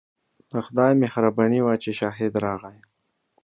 د خدای مهرباني وه چې شاهد راغی.